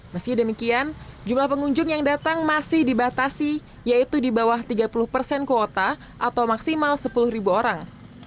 meski demikian jumlah pengunjung yang datang masih dibatasi yaitu di bawah tiga puluh persen kuota atau maksimal sepuluh orang